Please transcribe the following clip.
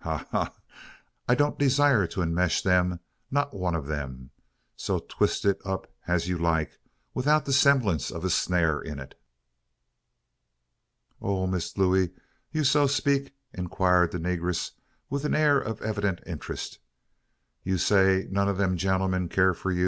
Ha! ha! ha! I don't desire to enmesh them not one of them! So twist it up as you like without the semblance of a snare in it." "Oh! Miss Looey, you so 'peak?" inquired the negress with an air of evident interest. "You say none ob dem gen'l'm you care for?